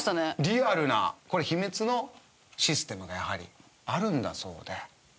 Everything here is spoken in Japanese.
リアルなこれ秘密のシステムがやはりあるんだそうで。